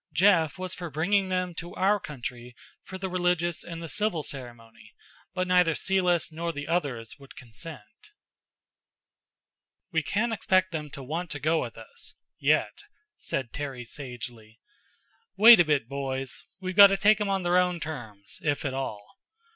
Jeff was for bringing them to our country for the religious and the civil ceremony, but neither Celis nor the others would consent. "We can't expect them to want to go with us yet," said Terry sagely. "Wait a bit, boys. We've got to take 'em on their own terms if at all."